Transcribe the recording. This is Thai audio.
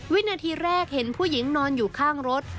วินาทีแรกเห็นผู้หญิงนอนอยู่ข้างรถ